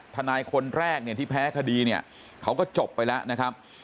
ทนายคนแรกเนี่ยที่แพ้คดีเนี่ยเขาก็จบไปแล้วนะครับ